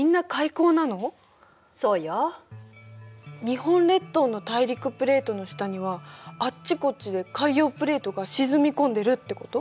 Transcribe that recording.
日本列島の大陸プレートの下にはあっちこっちで海洋プレートが沈み込んでるってこと？